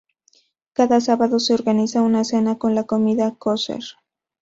Cada sábado se organiza una cena con la comida kosher.